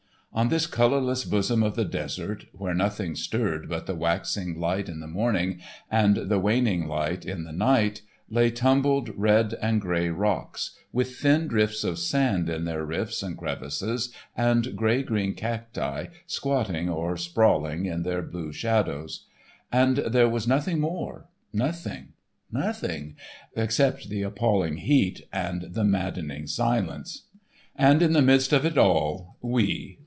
On this colourless bosom of the desert, where nothing stirred but the waxing light in the morning and the waning light in the night, lay tumbled red and gray rocks, with thin drifts of sand in their rifts and crevices and grey green cacti squatting or sprawling in their blue shadows. And there was nothing more, nothing, nothing, except the appalling heat and the maddening silence. And in the midst of it all,—we.